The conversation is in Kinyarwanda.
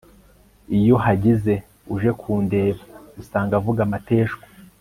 iyo hagize uje kundeba, usanga avuga amateshwa